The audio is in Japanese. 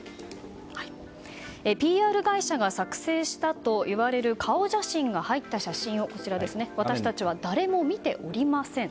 ＰＲ会社が作成したといわれる顔写真が入ったものを私たちは誰も見ておりません。